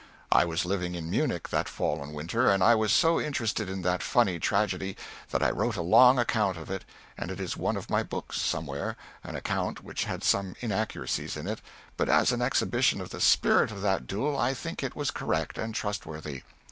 I was living in Munich that fall and winter, and I was so interested in that funny tragedy that I wrote a long account of it, and it is in one of my books, somewhere an account which had some inaccuracies in it, but as an exhibition of the spirit of that duel, I think it was correct and trustworthy.